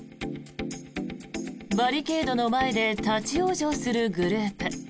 バリケードの前で立ち往生するグループ。